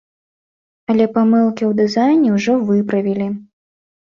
Але памылкі ў дызайне ўжо выправілі.